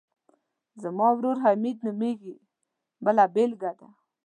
زما ورور حمید نومیږي بله بېلګه ده.